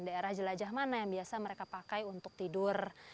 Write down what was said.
daerah jelajah mana yang biasa mereka pakai untuk tidur